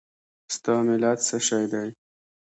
ستا ملت څه شی دی؟